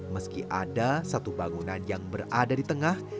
meski ada satu bangunan yang berada di tengah